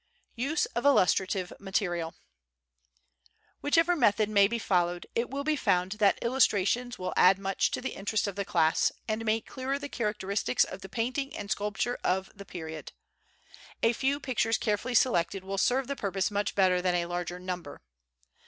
Use of Illustrative Material. Whichever method may be followed, it will be found that illustrations will add much to the interest of the class and make clearer the characteristics of the painting and sculpture of the period. A few pictures carefully selected will serve the purpose much better than a larger number.